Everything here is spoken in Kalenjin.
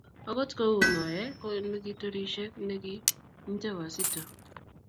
Ogot ko uu noe ko kiturisho ne kintee Wazito.